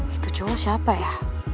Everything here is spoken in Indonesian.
itu cowok siapa ya